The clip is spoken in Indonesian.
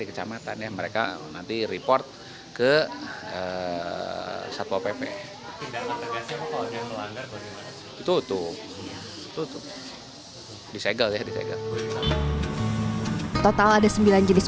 kecamatan ya mereka nanti report ke satwa pp tutup disegel ya disegel total ada sembilan jenis